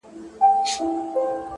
تامي د خوښۍ سترگي راوباسلې مړې دي كړې،